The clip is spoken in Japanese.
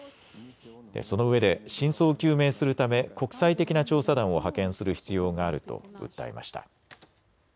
そのうえで真相を究明するため国際的な調査団を派遣する必要があると訴えました。